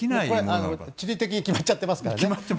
これは地理的に決まっちゃっていますからね。